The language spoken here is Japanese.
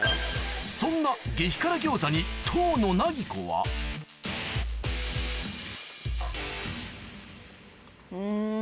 そんな激辛餃子に遠野なぎこはうん。